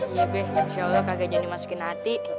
iya beh insya allah kagak joni masukin hati